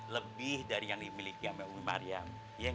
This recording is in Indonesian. lebih dari yang dimiliki umi mariam